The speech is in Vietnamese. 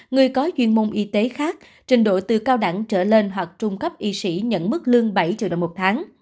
người có chuyên môn y tế khác trình độ từ cao đẳng trở lên hoặc trung cấp y sĩ nhận mức lương bảy triệu đồng một tháng